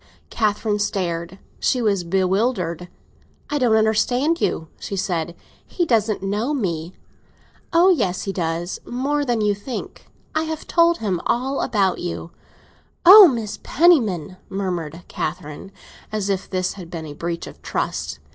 Catherine stared—she was bewildered. "I don't understand you," she said; "he doesn't know me." "Oh yes, he does; more than you think. I have told him all about you." "Oh, Aunt Penniman!" murmured Catherine, as if this had been a breach of trust.